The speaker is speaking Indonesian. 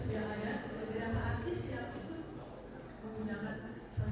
ada jalan jalan ke istanbul selama sehari